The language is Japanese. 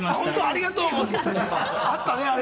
ありがとう。